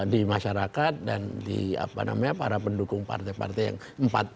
di masyarakat dan di apa namanya para pendukung partai partai yang empat